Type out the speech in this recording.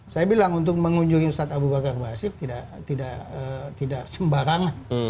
saya bilang untuk mengunjungi ustadz abu bakar basir tidak sembarangan